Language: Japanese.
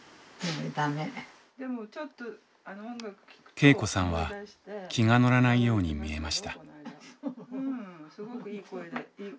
恵子さんは気が乗らないように見えました。